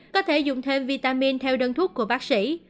có thể dùng thêm vitamin theo đơn thuốc của bác sĩ